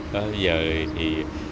bây giờ thì